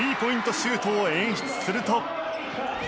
シュートを演出すると。